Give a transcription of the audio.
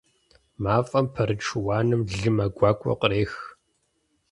МафӀэм пэрыт шыуаным лымэ гуакӀуэ кърех.